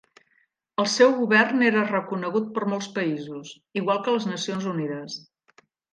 El seu govern era reconegut per molts països, igual que les Nacions Unides.